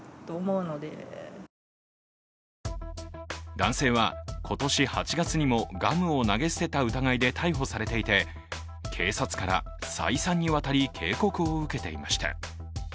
男性は今年８月にもガムを投げ捨てた疑いで逮捕されていて警察から再三にわたり警告を受けていました。